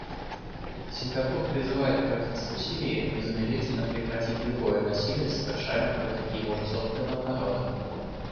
Сингапур призывает правительство Сирии незамедлительно прекратить любое насилие, совершаемое против его же собственного народа.